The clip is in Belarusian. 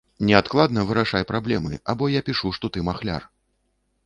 Неадкладна вырашай праблемы або я пішу, што ты махляр.